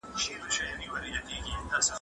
ړوند ښوونکي څنګه په ګڼ ځای کي اوږده کیسه وکړه؟